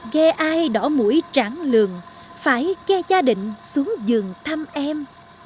ghe ai đỏ mũi tráng lường phải ghe gia đình xuống giường thăm em